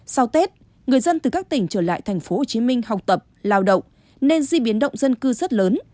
sau tết người dân từ các tỉnh trở lại tp hcm học tập lao động nên di biến động dân cư rất lớn